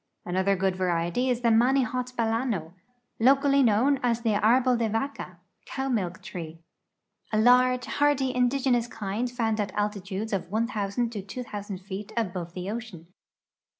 Another good variety is the mnnihot b(d(ino, locally known as the " arbolde vaca " (cow milk tree), a large^ hardy, indigenous kind found at altitudes of 1,000 to 2,000 feet above the ocean.